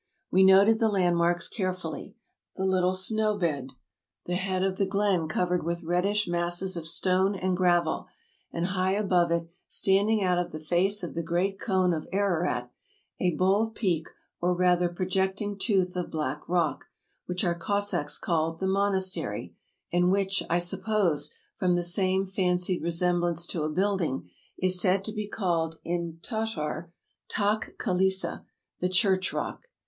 We noted the landmarks carefully — the little snow bed, the head of the glen covered with reddish masses of stone and gravel ; and high above it, standing out of the face of the great cone of Ararat, a bold peak or rather projecting tooth of black rock, which our Cossacks called the Monastery, and which, I suppose, from the same fancied resemblance to a building, is said to be called in Tatar Tach Kilissa, " the church rock."